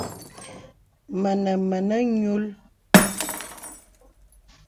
Mə̀nə̀ mə̀nə̀ ǹyùl òsì.